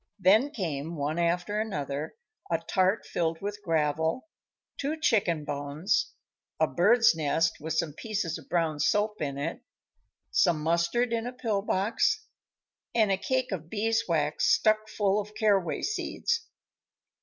Then came, one after another, a tart filled with gravel, two chicken bones, a bird's nest with some pieces of brown soap in it, some mustard in a pill box, and a cake of beeswax stuck full of caraway seeds.